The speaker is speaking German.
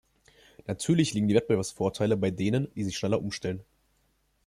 Natürlich liegen die Wettbewerbsvorteile bei denen, die sich schneller umstellen.